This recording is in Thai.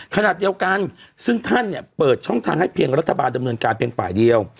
ขณะเดียวกันซึ่งท่านเนี่ยเปิดช่องทางให้เพียงรัฐบาลดำเนินการเพียงฝ่ายเดียว